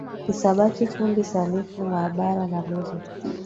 Hisabati fundi sanifu maabara na lugha